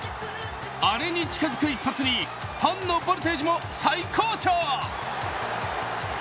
アレに近づく一発にファンのボルテージも最高潮。